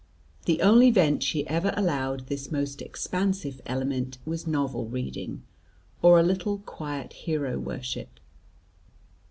The only vent she ever allowed this most expansive element was novel reading, or a little quiet hero worship.